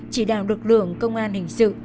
chỉ đạo lực lượng công an hình sự